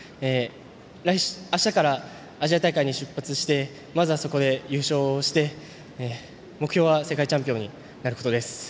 あしたからアジア大会に出発してまずはそこで優勝をして目標は世界チャンピオンになることです。